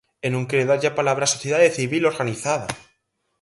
E non quere darlle a palabra á sociedade civil organizada.